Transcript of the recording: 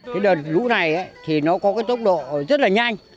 cái đợt lũ này thì nó có cái tốc độ rất là nhanh